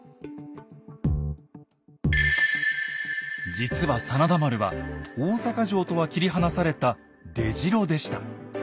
実は真田丸は大坂城とは切り離された出城でした。